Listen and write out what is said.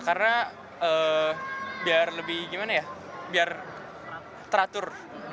karena biar lebih teratur